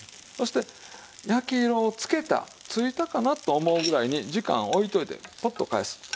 そして焼き色をつけたついたかなと思うぐらいに時間をおいておいてポッと返す。